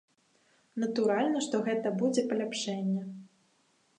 Натуральна, што гэта будзе паляпшэнне.